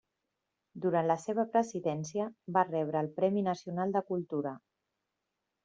Durant la seva presidència va rebre el Premi Nacional de Cultura.